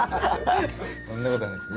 そんなことはないです。